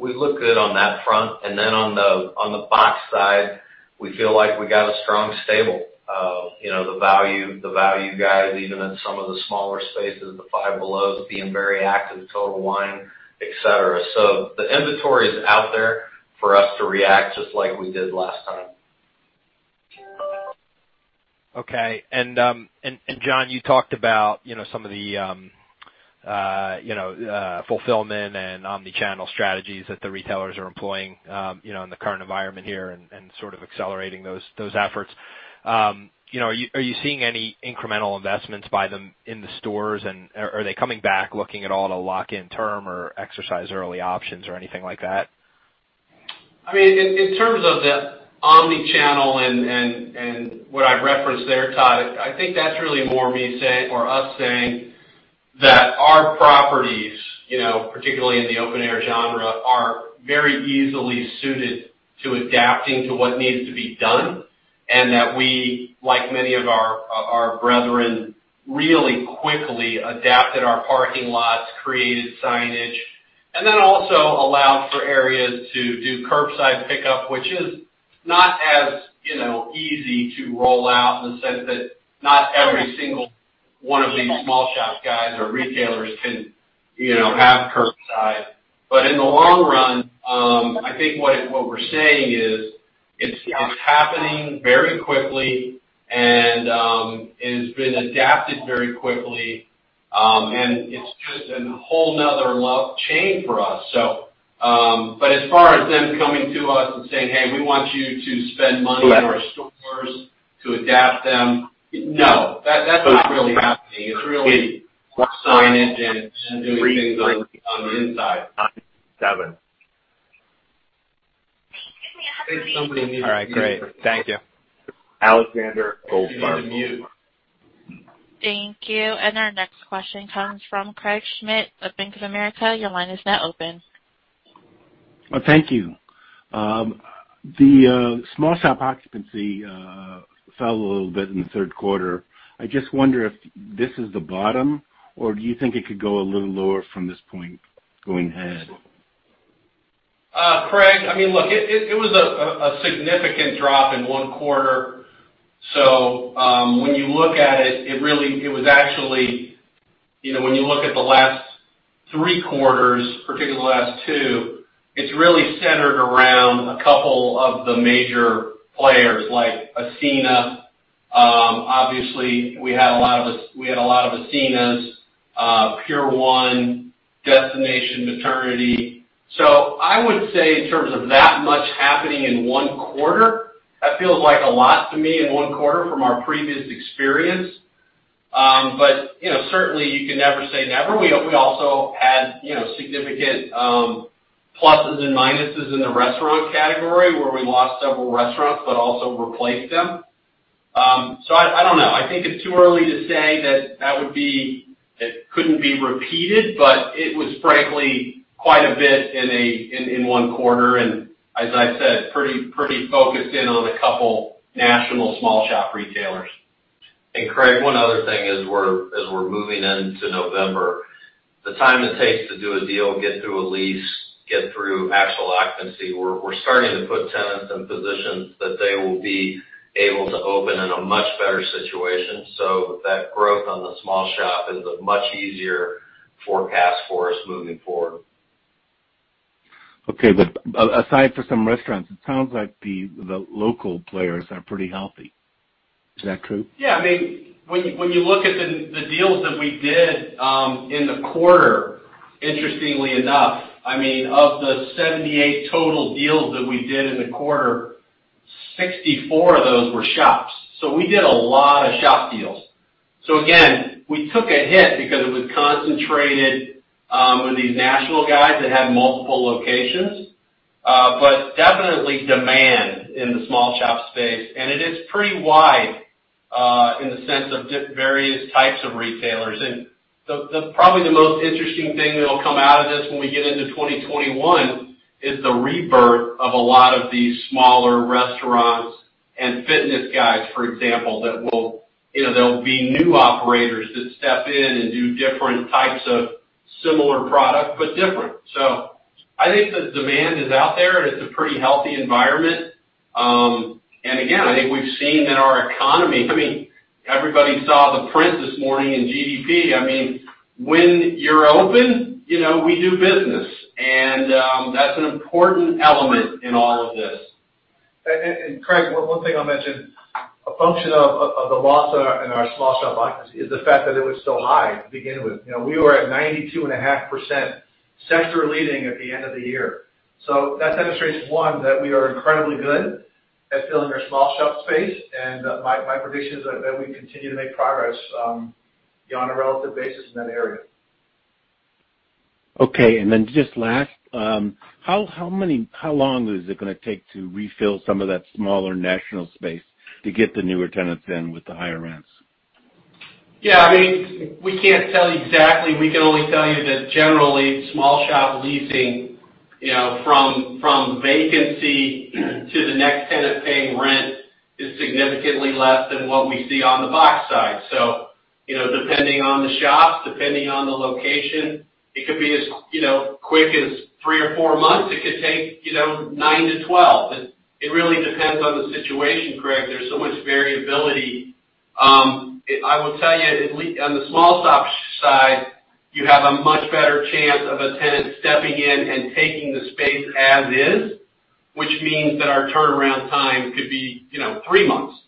We look good on that front. On the box side, we feel like we got a strong stable of the value guys, even in some of the smaller spaces, the Five Below's being very active, Total Wine, et cetera. The inventory is out there for us to react, just like we did last time. Okay. John, you talked about some of the fulfillment and omnichannel strategies that the retailers are employing in the current environment here and sort of accelerating those efforts. Are you seeing any incremental investments by them in the stores? Are they coming back looking at all to lock in term or exercise early options or anything like that? In terms of the omnichannel and what I referenced there, Todd, I think that's really more us saying that our properties, particularly in the open-air genre, are very easily suited to adapting to what needs to be done, and that we, like many of our brethren, really quickly adapted our parking lots, created signage, and then also allowed for areas to do curbside pickup, which is not as easy to roll out in the sense that not every single one of these small shop guys or retailers can have curbside. In the long run, I think what we're saying is it's happening very quickly and it has been adapted very quickly, and it's just a whole another chain for us. As far as them coming to us and saying, hey, we want you to spend money in our stores to adapt them, no. That's not really happening. It's really more signage and doing things on the inside. All right, great. Thank you. Alexander Goldfarb. Thank you. Our next question comes from Craig Schmidt of Bank of America. Thank you. The small shop occupancy fell a little bit in the third quarter. I just wonder if this is the bottom, or do you think it could go a little lower from this point going ahead? Craig, look, it was a significant drop in one quarter. When you look at it, when you look at the last three quarters, particularly the last two, it's really centered around a couple of the major players like Ascena. Obviously, we had a lot of Ascenas, Pier 1, Destination Maternity. I would say in terms of that much happening in one quarter, that feels like a lot to me in one quarter from our previous experience. Certainly you can never say never. We also had significant pluses and minuses in the restaurant category, where we lost several restaurants but also replaced them. I don't know. I think it's too early to say that it couldn't be repeated, but it was frankly quite a bit in a one quarter, and as I said, pretty focused in on a couple national small shop retailers. Craig, one other thing as we're moving into November, the time it takes to do a deal, get through a lease, get through actual occupancy, we're starting to put tenants in positions that they will be able to open in a much better situation. That growth on the small shop is a much easier forecast for us moving forward. Okay. Aside from some restaurants, it sounds like the local players are pretty healthy. Is that true? Yeah. When you look at the deals that we did in the quarter, interestingly enough, of the 78 total deals that we did in the quarter, 64 of those were shops. We did a lot of shop deals. Again, we took a hit because it was concentrated with these national guys that had multiple locations. Definitely demand in the small shop space, and it is pretty wide in the sense of various types of retailers. Probably the most interesting thing that'll come out of this when we get into 2021 is the rebirth of a lot of these smaller restaurants and fitness guys, for example, there'll be new operators that step in and do different types of similar product, but different. I think the demand is out there, and it's a pretty healthy environment. Again, I think we've seen in our economy, I mean, Everybody saw the print this morning in GDP, I mean, when you're open, we do business, and that's an important element in all of this. Craig, one thing I'll mention, a function of the loss in our small shop occupancy is the fact that it was so high to begin with. We were at 92.5%, sector leading at the end of the year. That demonstrates, one, that we are incredibly good at filling our small shop space, and my prediction is that we continue to make progress on a relative basis in that area. Okay, then just last, how long is it going to take to refill some of that smaller national space to get the newer tenants in with the higher rents? Yeah. We can't tell exactly. We can only tell you that generally, small shop leasing, from vacancy to the next tenant paying rent, is significantly less than what we see on the box side. Depending on the shop, depending on the location, it could be as quick as three or four months. It could take 9-12. It really depends on the situation, Craig. There's so much variability. I will tell you, on the small shop side, you have a much better chance of a tenant stepping in and taking the space as is, which means that our turnaround time could be three months.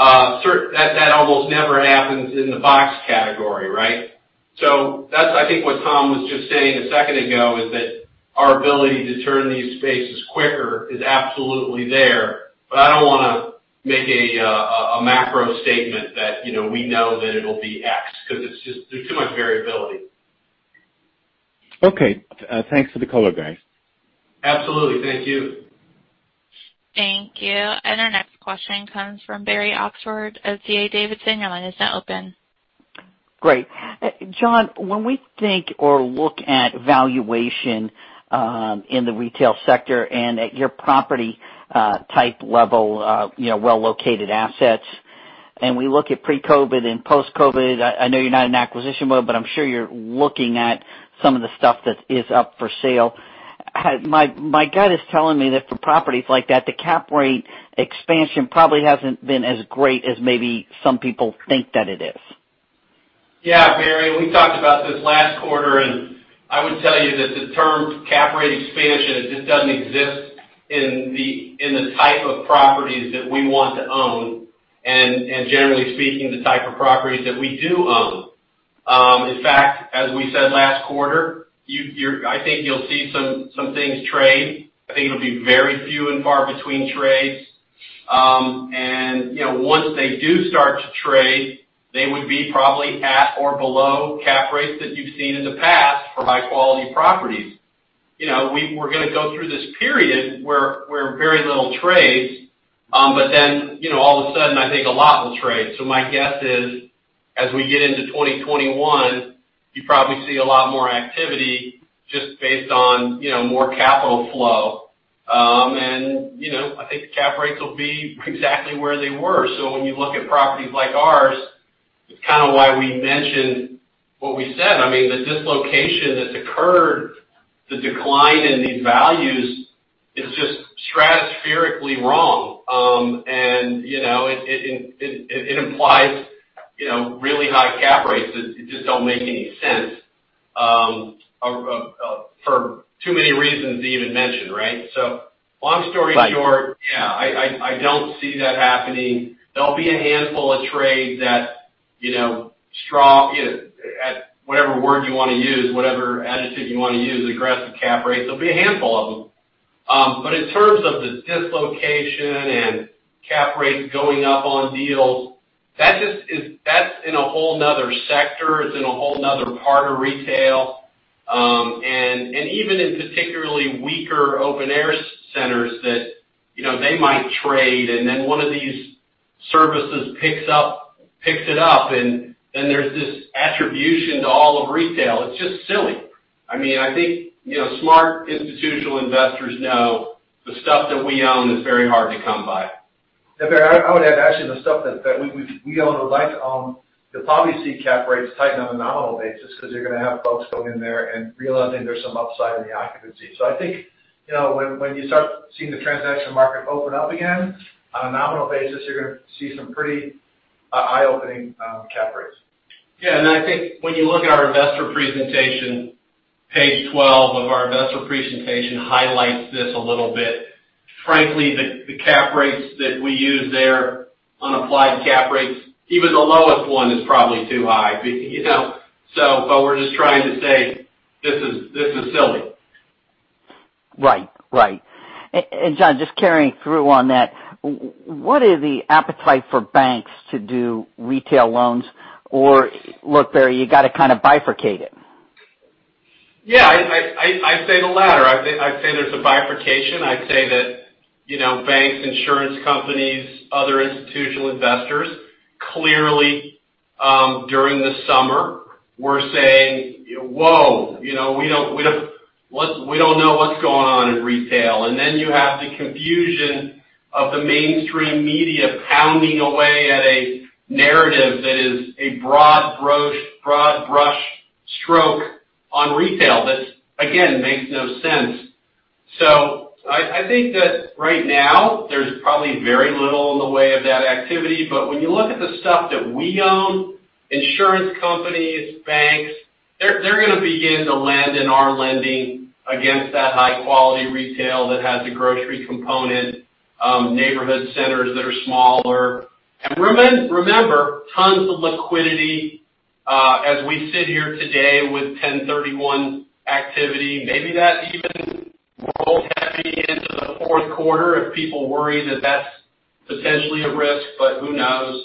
That almost never happens in the box category, right? That's, I think, what Tom was just saying a second ago, is that our ability to turn these spaces quicker is absolutely there, but I don't want to make a macro statement that we know that it'll be X, because there's too much variability. Okay. Thanks for the color, guys. Absolutely. Thank you. Thank you. Our next question comes from Barry Oxford of D.A. Davidson. Your line is now open. Great. John, when we think or look at valuation in the retail sector and at your property type level, well-located assets, and we look at pre-COVID and post-COVID, I know you're not in acquisition mode, but I'm sure you're looking at some of the stuff that is up for sale. My gut is telling me that for properties like that, the cap rate expansion probably hasn't been as great as maybe some people think that it is. Yeah, Barry, we talked about this last quarter. I would tell you that the term cap rate expansion, it just doesn't exist in the type of properties that we want to own, and generally speaking, the type of properties that we do own. In fact, as we said last quarter, I think you'll see some things trade. I think it'll be very few and far between trades. Once they do start to trade, they would be probably at or below cap rates that you've seen in the past for high-quality properties. We're going to go through this period where very little trades. All of a sudden, I think a lot will trade. My guess is, as we get into 2021, you probably see a lot more activity just based on more capital flow. I think cap rates will be exactly where they were. When you look at properties like ours, it's kind of why we mentioned what we said. The dislocation that's occurred, the decline in these values, is just stratospherically wrong. It implies really high cap rates that just don't make any sense, for too many reasons to even mention, right? Long story short. I don't see that happening. There'll be a handful of trades that strong, whatever word you want to use, whatever adjective you want to use, aggressive cap rates. There'll be a handful of them. In terms of the dislocation and cap rates going up on deals, that's in a whole another sector. It's in a whole another part of retail. Even in particularly weaker open-air centers that they might trade, and then one of these services picks it up, and then there's this attribution to all of retail. It's just silly. I think smart institutional investors know the stuff that we own is very hard to come by. Barry, I would add, actually, the stuff that we own or would like to own, you'll probably see cap rates tighten on a nominal basis because you're going to have folks go in there and realizing there's some upside in the occupancy. I think when you start seeing the transaction market open up again, on a nominal basis, you're going to see some pretty eye-opening cap rates. Yeah, I think when you look at our investor presentation, page 12 of our investor presentation highlights this a little bit. Frankly, the cap rates that we use there on applied cap rates, even the lowest one is probably too high. We're just trying to say this is silly. Right. John, just carrying through on that, what is the appetite for banks to do retail loans? Or look there you got to kind of bifurcate it. Yeah, I'd say the latter. I'd say there's a bifurcation. I'd say that banks, insurance companies, other institutional investors, clearly, during the summer, were saying, whoa, we don't know what's going on in retail. You have the confusion of the mainstream media pounding away at a narrative that is a broad brush stroke on retail, that, again, makes no sense. I think that right now, there's probably very little in the way of that activity. When you look at the stuff that we own, insurance companies, banks, they're going to begin to lend and are lending against that high-quality retail that has a grocery component, neighborhood centers that are smaller. Remember, tons of liquidity as we sit here today with 10/31 activity, maybe that even rolls happy into the fourth quarter if people worry that that's potentially a risk, but who knows?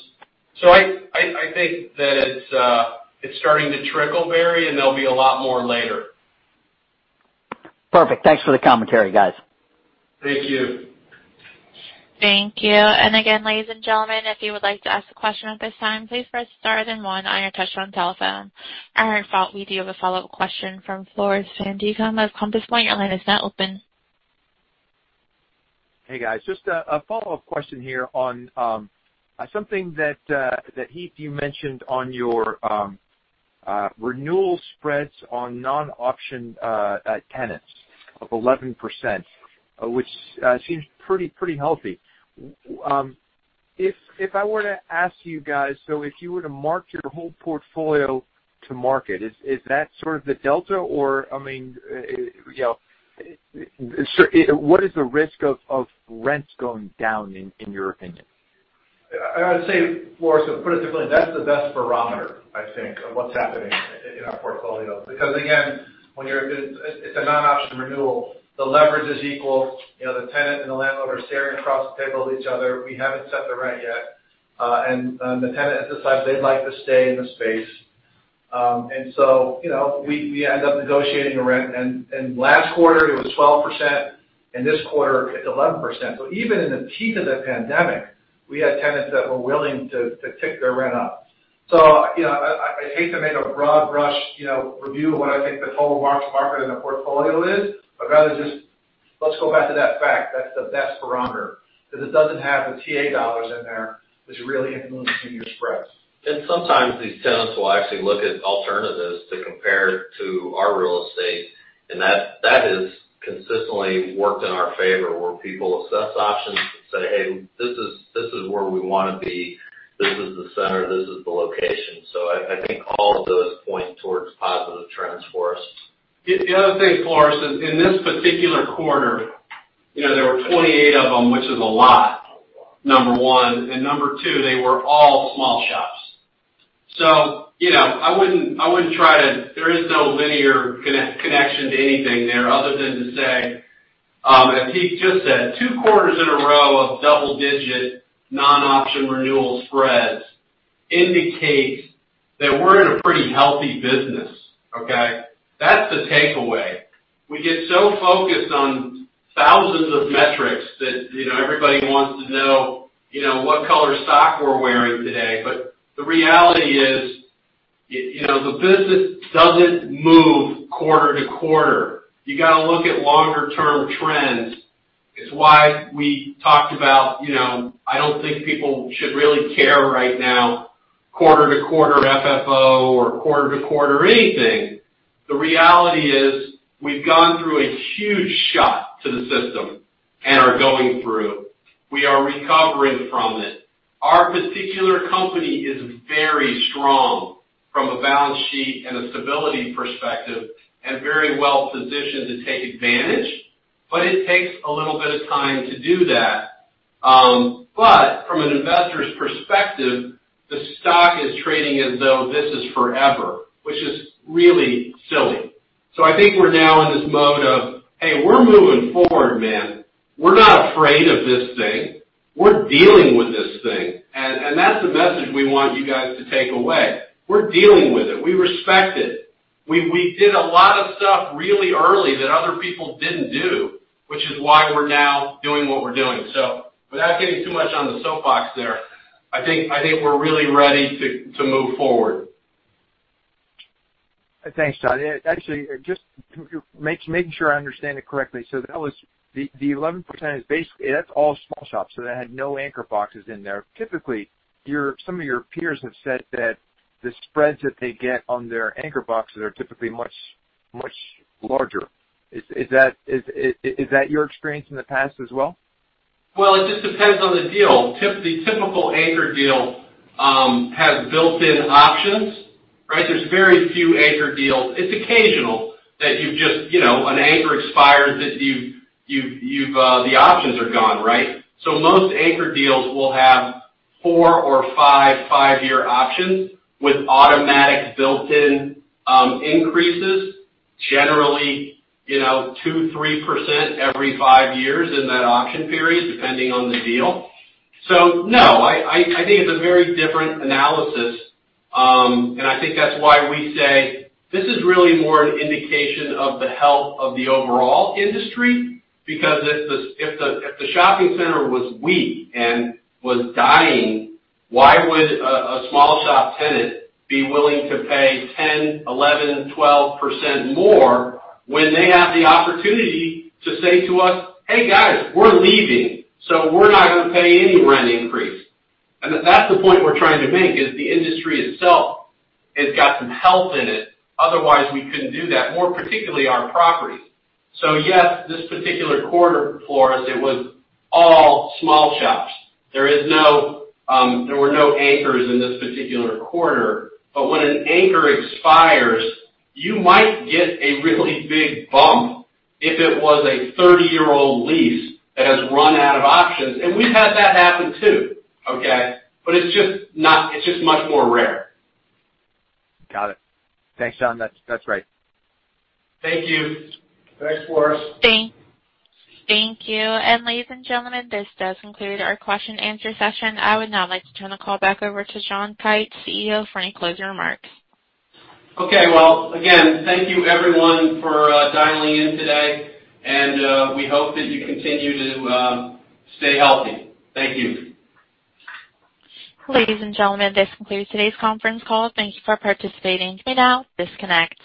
I think that it's starting to trickle, Barry, and there'll be a lot more later. Perfect. Thanks for the commentary, guys. Thank you. Thank you. Again, ladies and gentlemen, if you would like to ask a question at this time, please press star then one on your touchtone telephone. we do have a follow-up question from Floris van Dijkum of Compass Point. Your line is now open. Hey, guys. Just a follow-up question here on something that, Heath, you mentioned on your renewal spreads on non-optioned tenants of 11%, which seems pretty healthy. If I were to ask you guys, if you were to mark your whole portfolio to market, is that sort of the delta? Or what is the risk of rents going down, in your opinion? I would say, Floris, to put it differently, that's the best barometer, I think, of what's happening in our portfolio. Again, when it's a non-option renewal, the leverage is equal. The tenant and the landlord are staring across the table at each other. We haven't set the rent yet. The tenant has decided they'd like to stay in the space. We end up negotiating a rent, and last quarter, it was 12%, and this quarter it's 11%. Even in the teeth of the pandemic, we had tenants that were willing to tick their rent up. I hate to make a broad brush review of what I think the total mark-to-market in the portfolio is. I'd rather just go back to that fact. That's the best barometer, because it doesn't have the TA dollars in there that's really influencing your spreads. Sometimes these tenants will actually look at alternatives to compare to our real estate, and that has consistently worked in our favor, where people assess options and say, hey, this is where we want to be. This is the center. This is the location. I think all of those point towards positive trends for us. The other thing, Floris, is in this particular quarter, there were 28 of them, which is a lot, number one. Number two, they were all small shops. There is no linear connection to anything there other than to say, as Heath just said, two quarters in a row of double-digit non-option renewal spreads indicates that we're in a pretty healthy business. Okay? That's the takeaway. We get so focused on thousands of metrics that everybody wants to know what color sock we're wearing today. The reality is, the business doesn't move quarter-to-quarter. You got to look at longer-term trends. It's why we talked about, I don't think people should really care right now quarter-to-quarter FFO or quarter-to-quarter anything. The reality is we've gone through a huge shock to the system and are going through. We are recovering from it. Our particular company is very strong from a balance sheet and a stability perspective and very well-positioned to take advantage. It takes a little bit of time to do that. From an investor's perspective, the stock is trading as though this is forever, which is really silly. I think we're now in this mode of, hey, we're moving forward, man. We're not afraid of this thing. We're dealing with this thing. That's the message we want you guys to take away. We're dealing with it. We respect it. We did a lot of stuff really early that other people didn't do, which is why we're now doing what we're doing. Without getting too much on the soapbox there, I think we're really ready to move forward. Thanks, John. Actually, just making sure I understand it correctly. The 11%, that's all small shops, so that had no anchor boxes in there. Typically, some of your peers have said that the spreads that they get on their anchor boxes are typically much larger. Is that your experience in the past as well? It just depends on the deal. The typical anchor deal has built-in options, right? There's very few anchor deals. It's occasional that an anchor expires that the options are gone, right? Most anchor deals will have four or five five-year options with automatic built-in increases, generally 2%, 3% every five years in that option period, depending on the deal. No, I think it's a very different analysis, and I think that's why we say this is really more an indication of the health of the overall industry. If the shopping center was weak and was dying, why would a small shop tenant be willing to pay 10%, 11%, 12% more when they have the opportunity to say to us, hey, guys, we're leaving, so we're not going to pay any rent increase. That's the point we're trying to make, is the industry itself has got some health in it. Otherwise, we couldn't do that, more particularly our properties. Yes, this particular quarter, Floris, it was all small shops. There were no anchors in this particular quarter. When an anchor expires, you might get a really big bump if it was a 30-year-old lease that has run out of options, and we've had that happen, too, okay? It's just much more rare. Got it. Thanks, John. That's great. Thank you. Thanks, Floris. Thank you. Ladies and gentlemen, this does conclude our question and answer session. I would now like to turn the call back over to John Kite, CEO, for any closing remarks. Okay. Well, again, thank you everyone for dialing in today, and we hope that you continue to stay healthy. Thank you. Ladies and gentlemen, this concludes today's conference call. Thank you for participating. You may now disconnect.